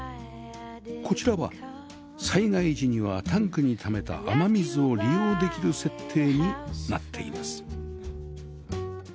こちらは災害時にはタンクにためた雨水を利用できる設定になっています